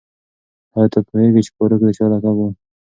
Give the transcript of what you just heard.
آیا ته پوهېږې چې فاروق د چا لقب و؟